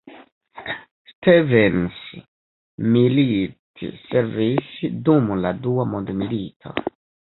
Stevens militservis dum la Dua Mondmilito.